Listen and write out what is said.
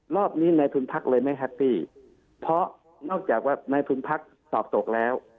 รอบนี้ในทุนพักเลยไม่แฮปปี้เพราะนอกจากว่าในทุนพักตอบตกแล้ว